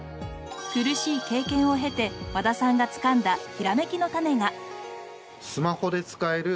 苦しい経験を経て和田さんがつかんだヒラメキのタネが。